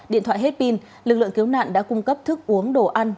điện thoại hết pin lực lượng cứu nạn đã cung cấp thức uống đồ ăn